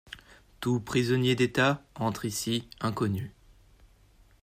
Tout prisonnier d'État entre ici inconnu.